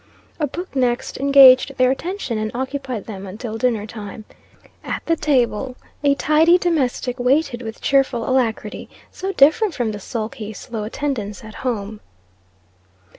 A book next engaged their attention, and occupied them until dinner time. At the stable, a tidy domestic waited with cheerful alacrity, so different from the sulky, slow attendance, at home.